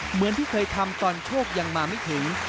เหมือนที่เคยทำตอนโชคยังมาไม่ถึง